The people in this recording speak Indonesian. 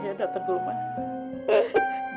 datang ke rumah